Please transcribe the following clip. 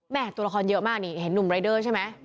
ตัวละครเยอะมากนี่เห็นหนุ่มรายเดอร์ใช่ไหม